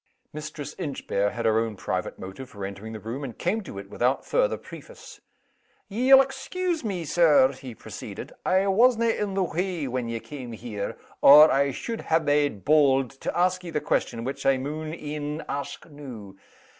Mistress Inchbare had her own private motive for entering the room, and came to it without further preface. "Ye'll excuse me, Sir," she proceeded. "I wasna in the way when ye cam' here, or I suld ha' made bauld to ask ye the question which I maun e'en ask noo.